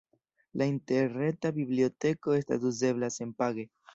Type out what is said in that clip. La interreta biblioteko estas uzebla senpage.